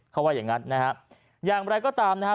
เขาว่าอย่างงั้นนะครับอย่างไรก็ตามนะครับ